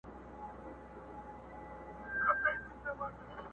ساقي وه را بللي رقیبان څه به کوو؟.!